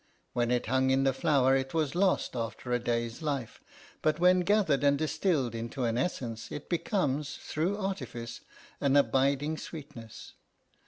When it hung in the flower it was lost after a day's life, but when gathered and distilled into an essence it becomes, through artifice, an abiding sweetness.